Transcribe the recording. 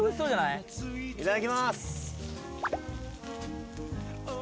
いただきます